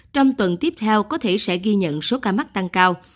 trong tuần tiếp theo có thể sẽ ghi nhận số ca mắc tăng cao